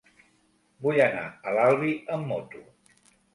Vull anar a l'Albi amb moto.